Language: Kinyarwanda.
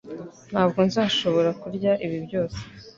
Ntabwo nzashobora kurya ibi byose